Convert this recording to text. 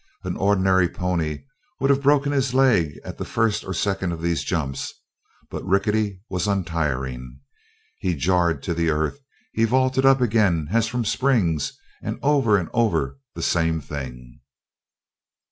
An ordinary pony would have broken his leg at the first or second of these jumps; but Rickety was untiring. He jarred to the earth; he vaulted up again as from springs over and over the same thing.